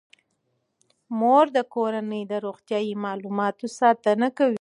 مور د کورنۍ د روغتیايي معلوماتو ساتنه کوي.